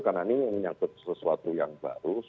karena ini menyangkut sesuatu yang baru